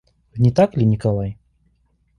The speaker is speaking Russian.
Не так ли, Николай?